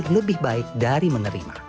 lebih baik dari menerima